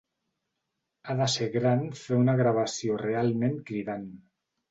Ha de ser gran fer una gravació realment cridant.